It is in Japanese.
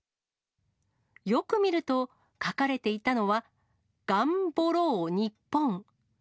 よく見ると、書かれていたのは、がんぼろう日本。